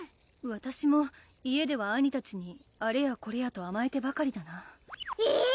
わたしも家では兄たちにあれやこれやとあまえてばかりだなえぇ？